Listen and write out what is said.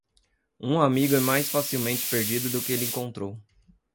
Um amigo é mais facilmente perdido do que ele encontrou.